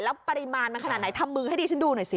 แล้วปริมาณมันขนาดไหนทำมือให้ดิฉันดูหน่อยสิ